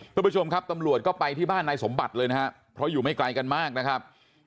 คุณผู้ชมครับตำรวจก็ไปที่บ้านนายสมบัติเลยนะครับเพราะอยู่ไม่ไกลกันมากนะครับ